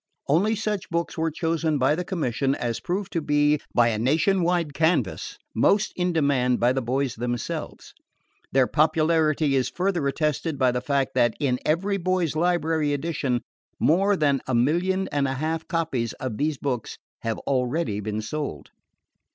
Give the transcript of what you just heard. Only such books were chosen by the Commission as proved to be, by a nation wide canvas, most in demand by the boys themselves. Their popularity is further attested by the fact that in the EVERY BOY'S LIBRARY Edition, more than a million and a quarter copies of these books have already been sold.